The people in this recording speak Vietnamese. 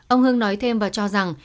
ông hưng nói thêm và cho rằng